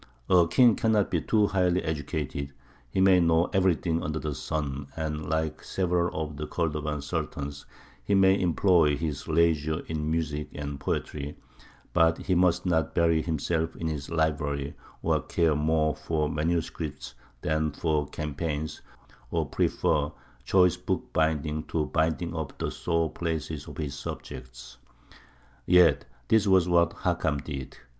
A king cannot be too highly educated; he may know everything under the sun, and, like several of the Cordovan Sultans, he may employ his leisure in music and poetry; but he must not bury himself in his library, or care more for manuscripts than for campaigns, or prefer choice bookbinding to binding up the sore places of his subjects. Yet this was what Hakam did.